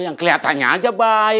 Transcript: yang keliatannya aja baik